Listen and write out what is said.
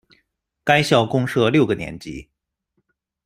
该校共设六个年级。